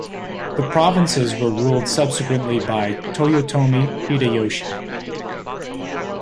The provinces were ruled subsequently by Toyotomi Hideyoshi.